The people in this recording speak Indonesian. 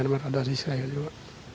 yang myanmar ada di israel juga